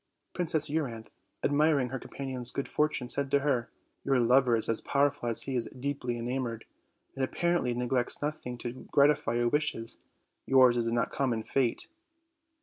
Princess Euryanthe, admiring her companion's good fortune, said to her: "Your lover is as powerful as he is deeply enamored, and apparently neglects nothing to gratify your wishes; yours is not a common fate."